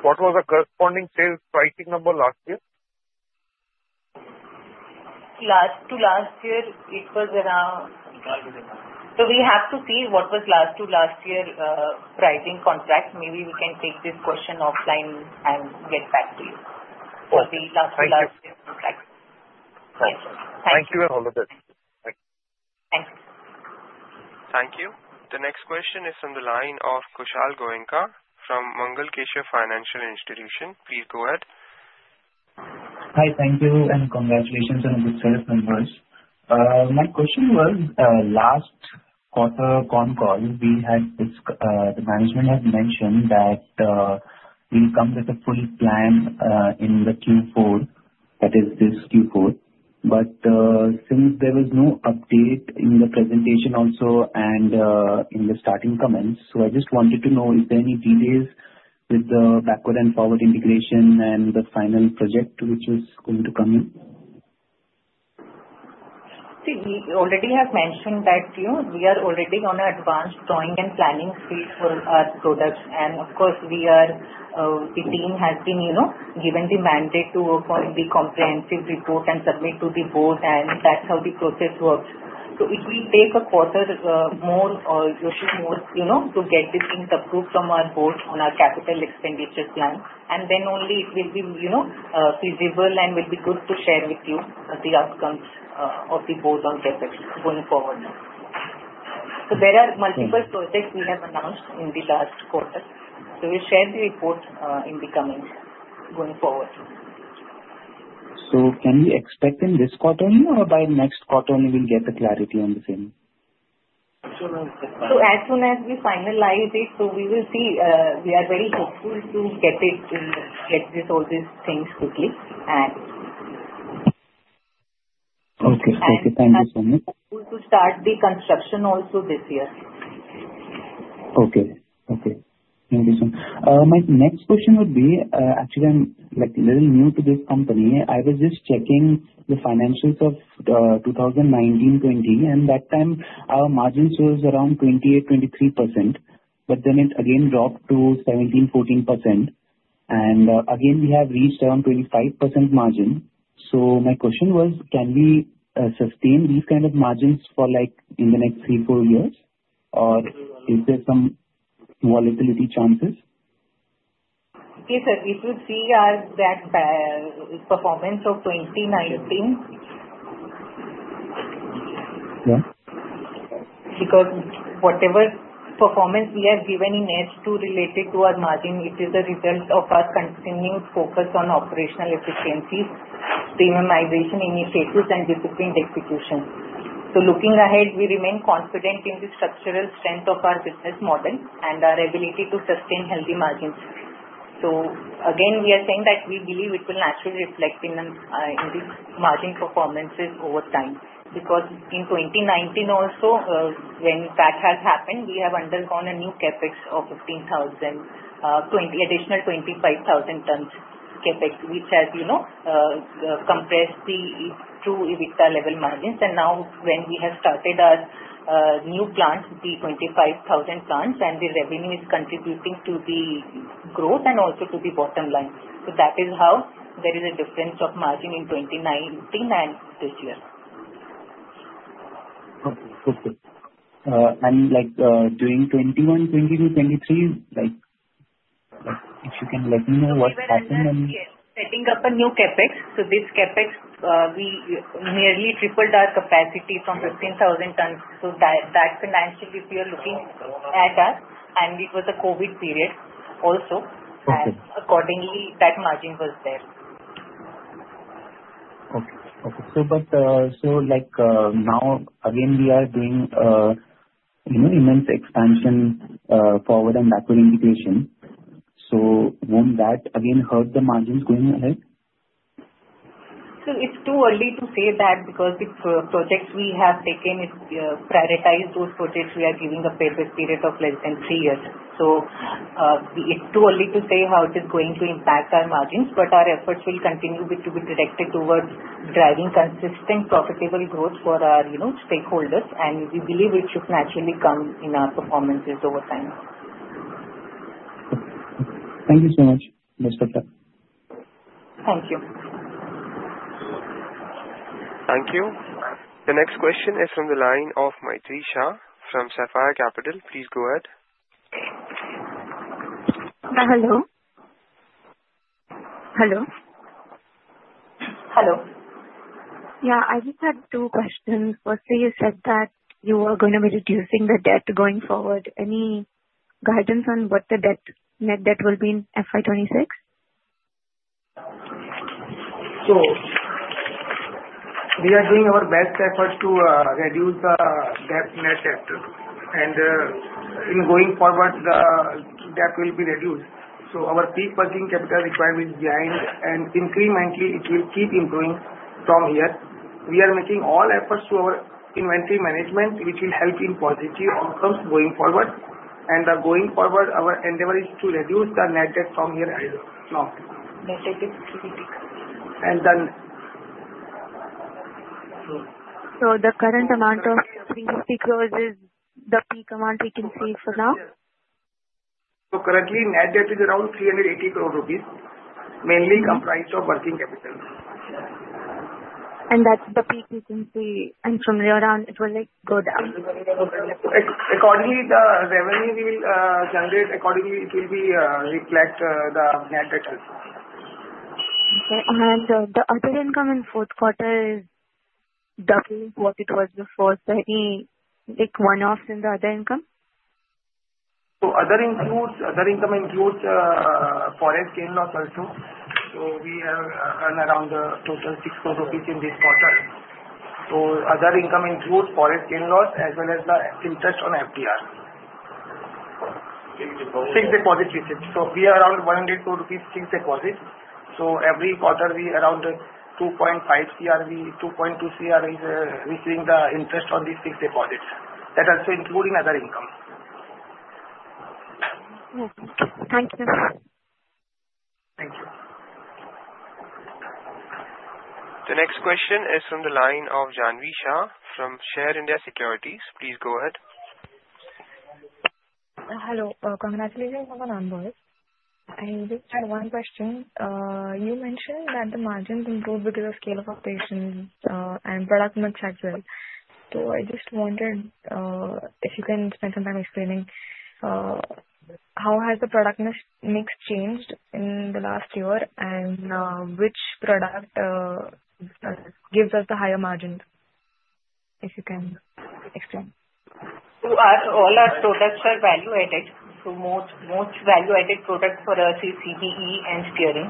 What was the corresponding sales pricing number last year? Last to last year it was around. We have to see what was last to last year pricing contract. Maybe we can take this question offline and get back to you. Okay. For the last to last year contract. Thank you. Yes. Thank you. Thank you, and all the best. Bye. Thanks. Thank you. The next question is from the line of Kushal Goenka from Mangal Keshav Financial Institution. Please go ahead. Hi. Thank you and congratulations on a good set of numbers. My question was, last quarter con call, the management had mentioned that, we'll come with a full plan, in the Q4, that is this Q4. Since there was no update in the presentation also and, in the starting comments, so I just wanted to know if there are any delays with the backward and forward integration and the final project which is going to come in? See, we already have mentioned that we are already on an advanced drawing and planning stage for our products. Of course, the team has been given the mandate to work on the comprehensive report and submit to the board, and that's how the process works. It will take a quarter more or two more to get these things approved from our board on our capital expenditures plan. Then only it will be feasible and will be good to share with you the outcomes of the board on this going forward now. There are multiple projects we have announced in the last quarter. We'll share the report in the coming year, going forward. Can we expect in this quarter or by next quarter we will get the clarity on the same? As soon as we finalize it, we will see. We are very hopeful to get all these things quickly and- Okay. Thank you so much. Hope to start the construction also this year. Okay. Thank you so much. My next question would be, actually, I'm a little new to this company. I was just checking the financials of 2019, 2020, and that time our margin shows around 28%, 23%, but then it again dropped to 17%, 14%. Again, we have reached around 25% margin. My question was, can we sustain these kind of margins for the next three, four years, or is there some volatility chances? Yes, sir. If you see our past performance of 2019- Yeah. Whatever performance we have given in H2 related to our margin, it is a result of our continuing focus on operational efficiencies, premiumization initiatives, and disciplined execution. Looking ahead, we remain confident in the structural strength of our business model and our ability to sustain healthy margins. Again, we are saying that we believe it will naturally reflect in these margin performances over time, because in 2019 also, when that had happened, we have undergone a new CapEx of 15,000, additional 25,000 tons CapEx, which has compressed to the EBITDA level margins. Now when we have started our new plant, the 25,000-ton plant, and the revenue is contributing to the growth and also to the bottom line. That is how there is a difference of margin in 2019 and this year. Okay. During 2021, 2022, 2023, if you can let me know what's happening and- Setting up a new CapEx. This CapEx, we nearly tripled our capacity from 15,000 tons. That's the financial, if you are looking at us, and it was a COVID period also. Okay. Accordingly that margin was there. Okay. Now again, we are doing immense expansion forward and backward integration. Won't that again hurt the margins going ahead? It's too early to say that because the projects we have taken, we have prioritized those projects. We are giving a payback period of less than three years. It's too early to say how it is going to impact our margins, but our efforts will continue to be directed towards driving consistent profitable growth for our stakeholders, and we believe it should naturally come in our performances over time. Okay. Thank you so much. Best wishes. Thank you. Thank you. The next question is from the line of Maitri Shah from Sapphire Capital. Please go ahead. Hello. Hello. Yeah. I just had two questions. Firstly, you said that you are going to be reducing the debt going forward. Any guidance on what the net debt will be in FY 2026? We are doing our best efforts to reduce the net debt. Going forward, the debt will be reduced. Our peak working capital requirement is behind, and incrementally it will keep improving from here. We are making all efforts to our inventory management, which will help in positive outcomes going forward. Going forward, our endeavor is to reduce the net debt from here as of now. The debt is typically decreasing. Done. The current amount of 350 crore is the peak amount we can see for now? Currently, net debt is around 380 crore rupees, mainly comprised of working capital. That's the peak we can see, and from here on, it will go down. Accordingly, the revenue we'll generate, accordingly it will reflect the net debt. Okay. The other income in fourth quarter is double what it was before. Any big one-offs in the other income? Other income includes forex gain loss also. We have earned around a total of [6 crore rupees] in this quarter. Other income includes forex gain loss as well as the interest on FDR. Fixed deposit. Fixed deposit. We are around 102 crore rupees fixed deposit. Every quarter, we are around 2.5 crore, 2.2 crore is receiving the interest on these fixed deposits. That also including other income. Thank you. Thank you. The next question is from the line of Janvi Shah from Share India Securities. Please go ahead. Hello. Congratulations on the numbers. I just had one question. You mentioned that the margins improved due to the scale of operations and product mix as well. I just wondered if you can spend some time explaining. How has the product mix changed in the last year, and which product gives us the higher margins? If you can explain. All our products are value-added. Most value-added product for us is CBE and stearin.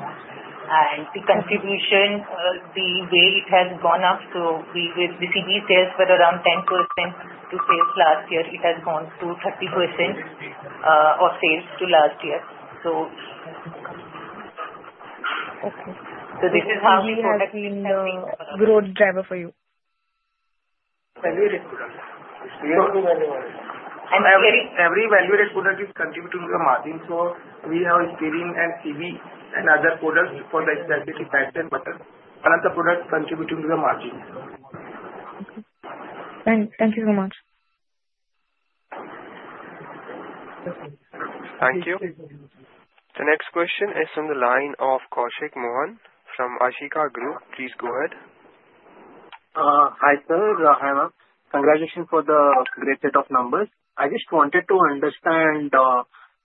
The contribution, the way it has gone up, so the CBE sales were around 10% of sales last year. It has gone to 30% of sales last year. Okay. This is how. Which is the main growth driver for you? Value-added products. Every value-added product is contributing to the margin. We have stearin and CBE and other products for like butters. All of the products contributing to the margin. Okay. Thank you so much. Welcome. Thank you. The next question is from the line of Koushik Mohan from Ashika Group. Please go ahead. Hi, sir. Congratulations for the great set of numbers. I just wanted to understand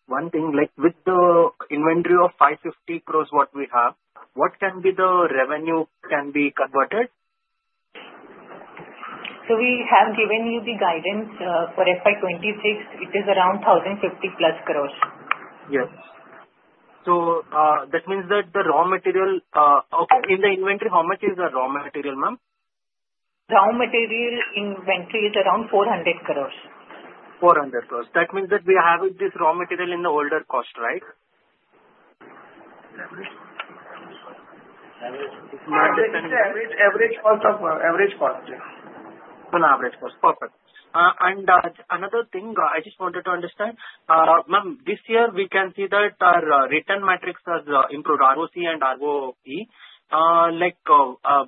one thing, like with the inventory of 550 crore what we have, what can be the revenue can be converted? We have given you the guidance, for FY 2026, it is around 1,050+ crores. Yes. That means that the raw material, in the inventory, how much is the raw material, ma'am? Raw material inventory is around 400 crore. 400 crore. That means that we are having this raw material in the lower cost, right? Average cost, yes. On average cost. Perfect. Another thing I just wanted to understand, ma'am, this year we can see that our return metrics has improved, ROC and ROE.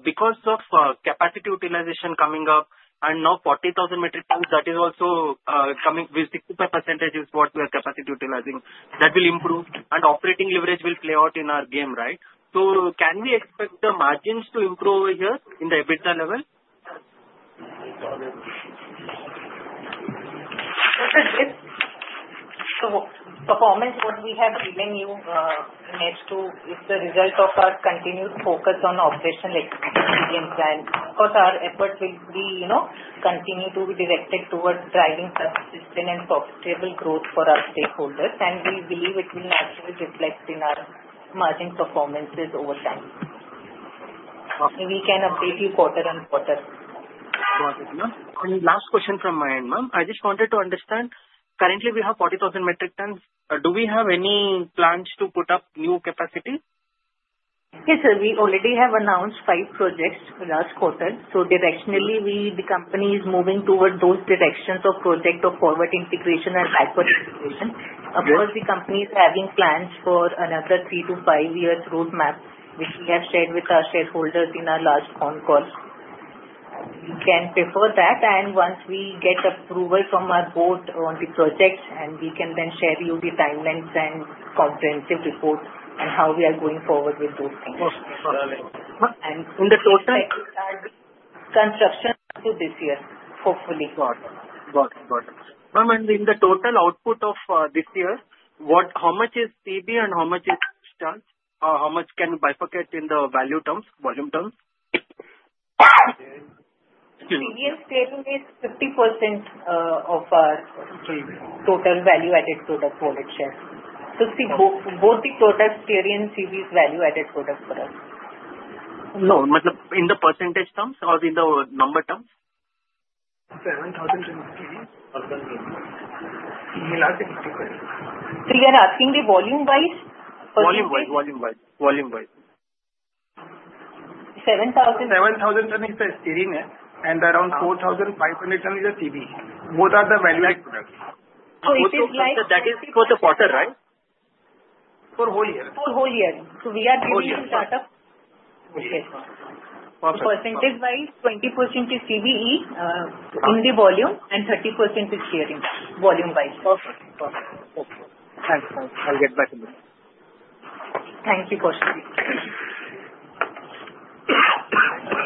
Because of capacity utilization coming up and now 40,000 metric tons, that is also coming with 60% is what we are capacity utilizing. That will improve, and operating leverage will play out in our game, right? Can we expect the margins to improve here in the EBITDA level? The performance that we have given you is the result of our continued focus on operational excellence and discipline. Of course, our efforts will continue to be directed towards driving sustainable and profitable growth for our stakeholders, and we believe it will naturally reflect in our margin performances over time. Okay. We can update you quarter on quarter. Got it, ma'am. Last question from my end, ma'am. I just wanted to understand, currently we have 40,000 metric tons. Do we have any plans to put up new capacity? Yes, sir. We already have announced five projects last quarter. Directionally, the company is moving toward those directions of project of forward integration and backward integration. Yes. Of course, the company is having plans for another three-five-year roadmap, which we have shared with our shareholders in our last con call. You can refer that, and once we get approval from our board on the projects, we can then share you the timelines and comprehensive reports on how we are going forward with those things. Okay. Got it. Ma'am, in the total- Construction this year, hopefully. Got it. Ma'am, in the total output of this year, how much is CBE and how much is tons? Or how much can you bifurcate in the value terms, volume terms? CBE and stearin is 50% of our total value-added product volume share. Both the products, stearin and CBE, is value-added products for us. No, in the percentage terms or in the number terms? 7,000 in CBE. You're asking me volume-wise? Percentage? Volume-wise. 7,000- 7,000 tons is the stearin, and around 4,500 tons is the CBE. Both are the value-added products. It is like- That is for the quarter, right? For whole year. For whole year. We are giving the startup. Okay. Got it. Percentage-wise, 20% is CBE, in the volume, and 30% is stearin, volume-wise. Perfect. Okay. Thanks, ma'am. I'll get back in line. Thank you, Koushik. From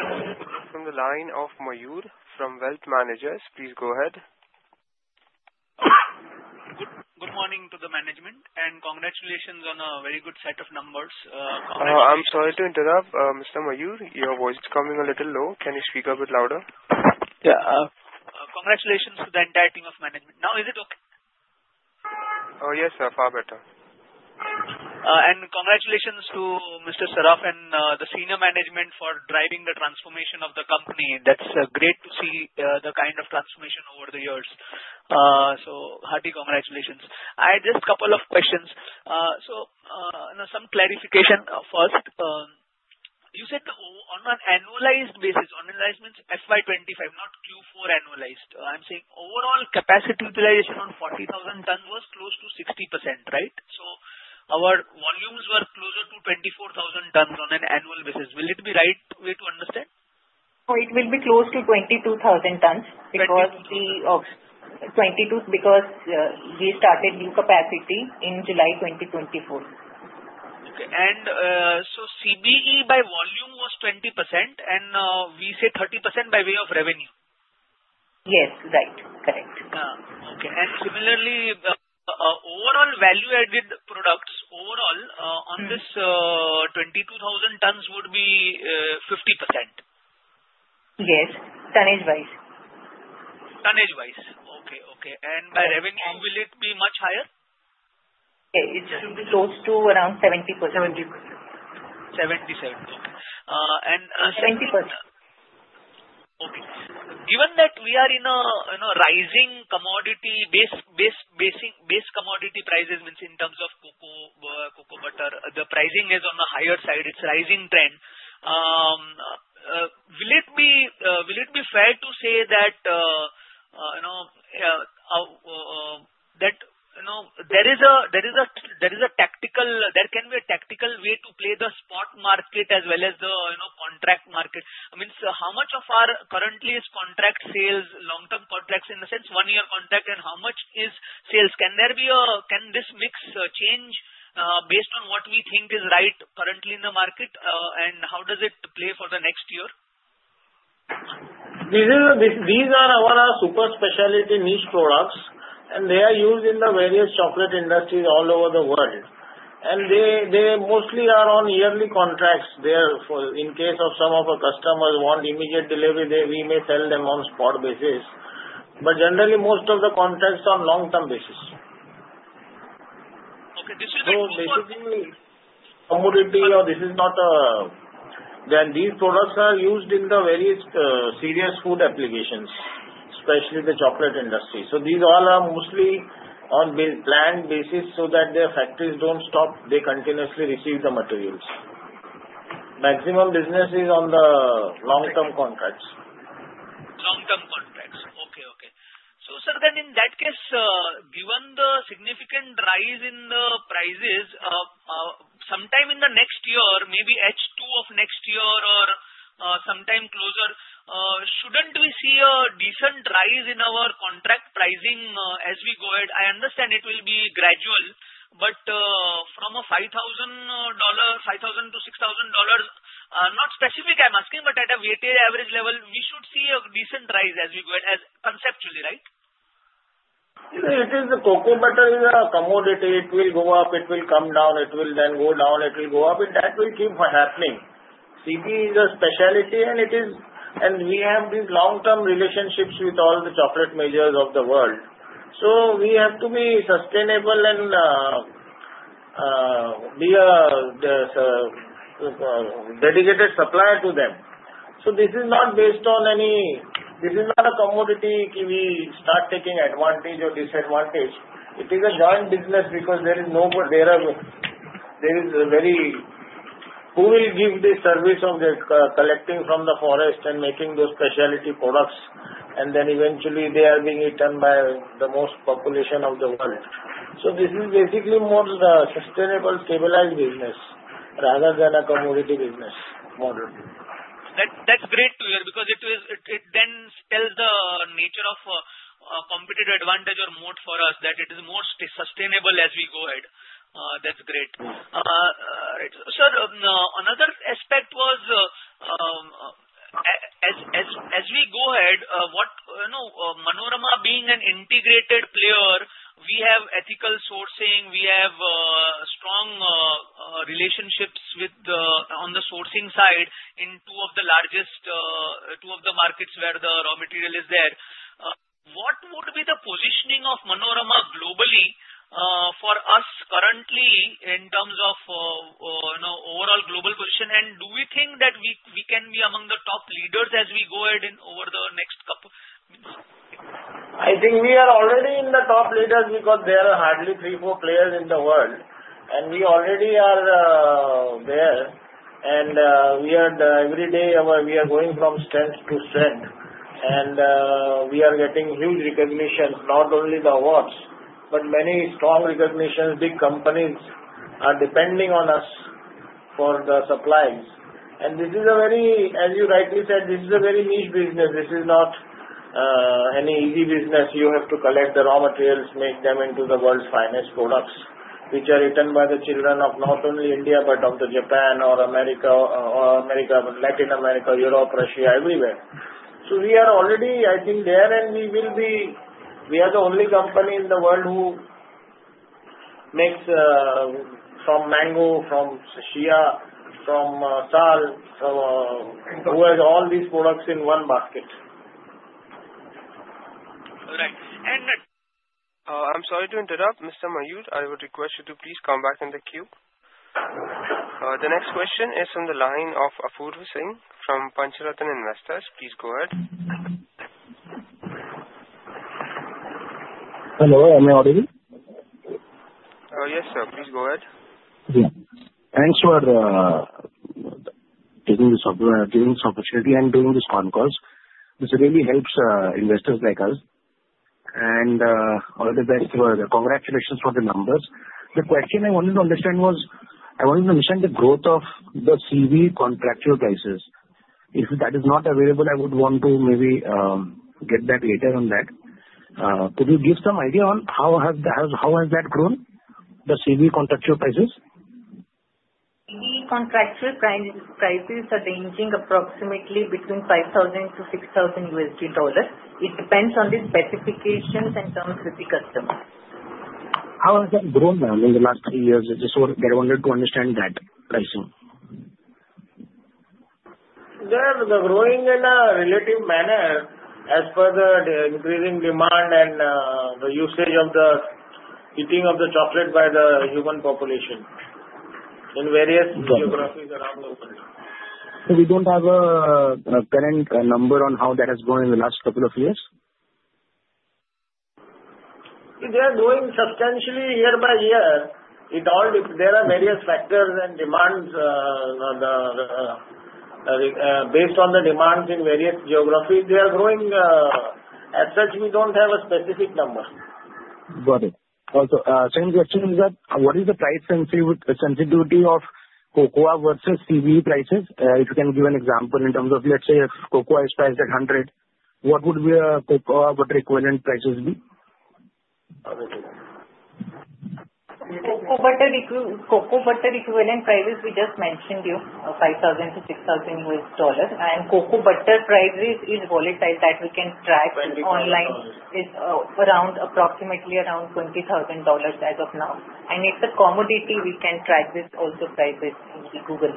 the line of Mayur from Wealth Managers. Please go ahead. Good morning to the management, and congratulations on a very good set of numbers. I'm sorry to interrupt. Mr. Mayur, your voice is coming a little low. Can you speak a bit louder? Yeah. Congratulations to the entire team of management. Now is it okay? Oh, yes, sir. Far better. Congratulations to Mr. Saraf and the senior management for driving the transformation of the company. That's great to see the kind of transformation over the years. Hearty congratulations. I had just couple of questions. Some clarification first. You said on an annualized basis, annualized means FY 2025, not Q4 annualized. I'm saying overall capacity utilization on 40,000 tons was close to 60%, right? Our volumes were closer to 24,000 tons on an annual basis. Will it be right way to understand? No, it will be close to 22,000 tons because we started new capacity in July 2024. Okay. CBE by volume was 20% and we say 30% by way of revenue. Yes. Right. Correct. Okay. Similarly, overall value-added products on this 22,000 tons would be 50%. Yes. Tonnage wise. Tonnage-wise. Okay. By revenue, will it be much higher? It should be close to around 70%. 70%. Okay. 70%. Okay. Given that we are in a rising commodity base commodity prices mean in terms of cocoa butter, the pricing is on the higher side, it's a rising trend. Will it be fair to say that there can be a tactical way to play the spot market as well as the contract market? How much of our current sales is contract sales, long-term contracts, in the sense, one-year contract, and how much is sales? Can this mix change based on what we think is right currently in the market, and how does it play for the next year? These are our super specialty niche products, and they are used in the various chocolate industries all over the world. They mostly are on yearly contracts. In case of some of our customers want immediate delivery, we may sell them on spot basis. Generally, most of the contracts are long-term basis. Okay. These products are used in the various serious food applications, especially the chocolate industry. These all are mostly on planned basis so that their factories don't stop, they continuously receive the materials. Maximum business is on the long-term contracts. Long-term contracts. Okay. Sir, then in that case, given the significant rise in the prices, sometime in the next year, maybe H2 of next year or sometime closer, shouldn't we see a decent rise in our contract pricing as we go ahead? I understand it will be gradual, but from a $5,000-$6,000, not specific I'm asking, but at a weighted average level, we should see a decent rise as we go ahead conceptually, right? Cocoa butter is a commodity. It will go up, it will come down, it will then go down, it will go up, and that will keep on happening. CBE is a specialty and we have these long-term relationships with all the chocolate majors of the world. We have to be sustainable and be a dedicated supplier to them. This is not a commodity we start taking advantage or disadvantage. It is a joint business because who will give the service of this collecting from the forest and making those specialty products, and then eventually they are being eaten by the most population of the world. This is basically more the sustainable stabilized business rather than a commodity business model. That's great to hear because it then tells the nature of competitive advantage or moat for us that it is more sustainable as we go ahead. That's great. Sir, another aspect was, as we go ahead, Manorama being an integrated player, we have ethical sourcing, we have strong relationships on the sourcing side in two of the markets where the raw material is there. What would be the positioning of Manorama globally for us currently in terms of overall global position, and do we think that we can be among the top leaders as we go ahead over the next couple of years? I think we are already in the top leaders because there are hardly three, four players in the world, and we already are there. Every day we are going from strength to strength. We are getting huge recognition, not only the awards, but many strong recognitions. Big companies are depending on us for the supplies. As you rightly said, this is a very niche business. This is not any easy business. You have to collect the raw materials, make them into the world's finest products, which are eaten by the children of not only India, but of the Japan or America, Latin America, Europe, Russia, everywhere. We are already, I think there, and we are the only company in the world who makes from mango, from shea, from sal. Who has all these products in one basket? All right. I'm sorry to interrupt, Mr. Mayur. I would request you to please come back in the queue. The next question is from the line of [Apurva Singh from Pancharatnam Investors]. Please go ahead. Hello, am I audible? Yes, sir. Please go ahead. Yeah. Thanks for giving this opportunity and doing this con call. This really helps investors like us. All the best. Congratulations for the numbers. The question I wanted to understand was, I wanted to understand the growth of the CBE contractual basis. If that is not available, I would want to maybe get back later on that. Could you give some idea on how has that grown, the CBE contractual prices? CBE contractual prices are ranging approximately between $5,000-$6,000. It depends on the specifications and terms with the customer. How has that grown, ma'am, in the last three years? I just wanted to understand that price. They are growing in a relative manner as per the increasing demand and the usage of the eating of the chocolate by the human population in various geographies around the world. We don't have a current number on how that has grown in the last couple of years? They are growing substantially year by year. There are various factors and demands. Based on the demands in various geographies, they are growing. As such, we don't have a specific number. Got it. Also, second question is that what is the price sensitivity of cocoa versus CBE prices? If you can give an example in terms of, let's say, if cocoa is priced at 100, what would be a cocoa butter equivalent prices be? Cocoa Butter Equivalent prices, we just mentioned give $5,000-$6,000, and cocoa butter prices is volatile that we can track online. $20,000. It's approximately around $20,000 as of now. It's a commodity we can track. This also prices in Google.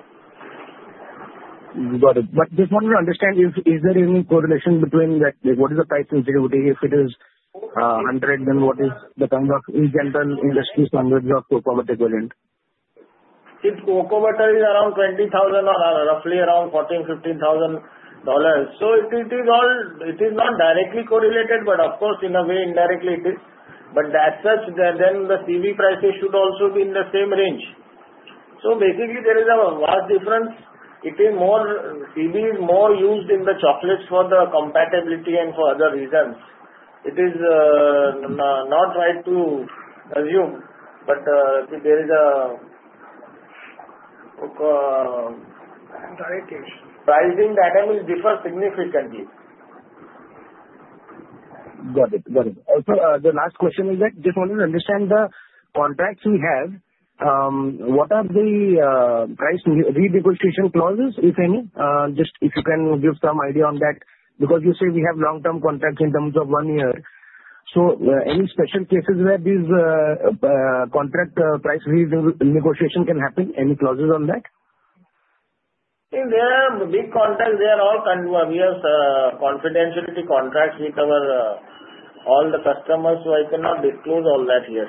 Got it. I just want to understand if is there any correlation between that? What is the price sensitivity? If it is 100, then what is the kind of, in general, industry standard of Cocoa Butter Equivalent? If cocoa butter is around 20,000 or roughly around $14,000-$15,000. It is not directly correlated, but of course, in a way, indirectly it is. As such, then the CBE prices should also be in the same range. Basically, there is a vast difference. More CBE is more used in the chocolates for the compatibility and for other reasons. It is not right to assume, but there is a pricing that will differ significantly. Got it. Also, the last question is that just wanted to understand the contracts we have. What are the price renegotiation clauses, if any? Just if you can give some idea on that because you say we have long-term contracts in terms of one year. Any special cases where these contract price renegotiation can happen? Any clauses on that? In the big contracts, they are all confidentiality contracts with all the customers, so I cannot disclose all that here.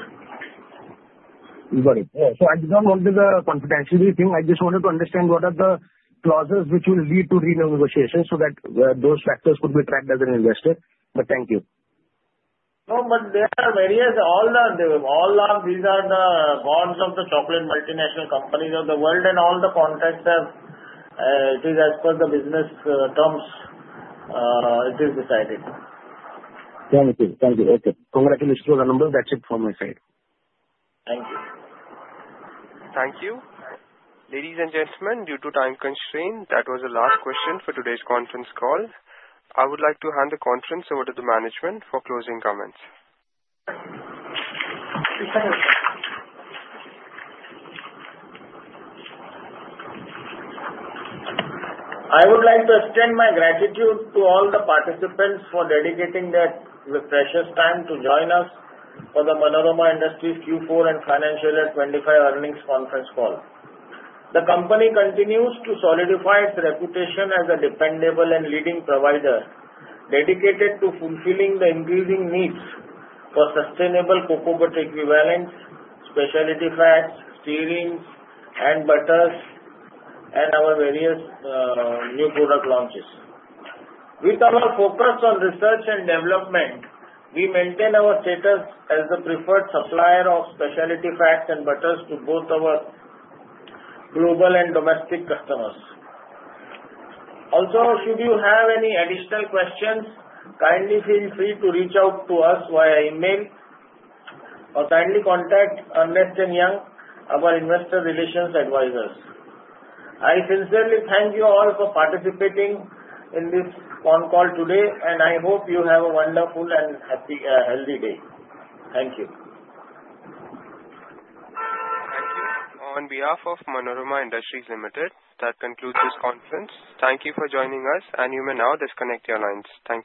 Got it. I just don't want the confidentiality thing. I just wanted to understand what are the clauses which will lead to re-negotiation so that those factors could be tracked as an investor. Thank you. No, there are various. All of these are the wants of the chocolate multinational companies of the world, and all the contracts are. It is as per the business terms. It is decided. Thank you. Okay. You cannot disclose the numbers. That's it from my side. Thank you. Thank you. Ladies and gentlemen, due to time constraint, that was the last question for today's conference call. I would like to hand the conference over to the management for closing comments. I would like to extend my gratitude to all the participants for dedicating their precious time to join us for the Manorama Industries Q4 and financial year 2025 earnings conference call. The company continues to solidify its reputation as a dependable and leading provider, dedicated to fulfilling the increasing needs for sustainable cocoa butter equivalents, specialty fats, stearins, and butters, and our various new product launches. With our focus on research and development, we maintain our status as the preferred supplier of specialty fats and butters to both our global and domestic customers. Should you have any additional questions, kindly feel free to reach out to us via email or kindly contact Ernst & Young, our investor relations advisors. I sincerely thank you all for participating in this con call today, and I hope you have a wonderful and healthy day. Thank you. Thank you. On behalf of Manorama Industries Limited, that concludes this conference. Thank you for joining us, and you may now disconnect your lines. Thank you.